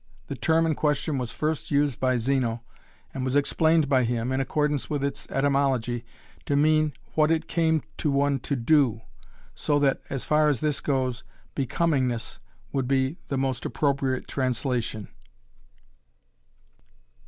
The term in question was first used by Zeno, and was explained by him, in accordance with its etymology, to mean what it came to one to do, so that as far as this goes, 'becomingness' would be the most appropriate translation.